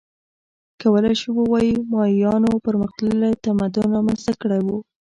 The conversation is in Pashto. کولای شو ووایو مایایانو پرمختللی تمدن رامنځته کړی و